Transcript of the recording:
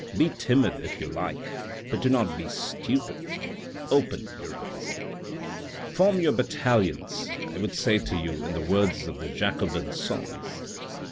Be timid if you like, but do not be stupid. Open your eyes. "' Form your battalions] I would say to you in the words of the Jacobin songs.